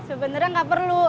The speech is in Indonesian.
sebenarnya nggak perlu